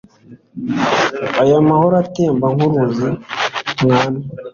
aya mahoro atemba nk'uruzi, mwami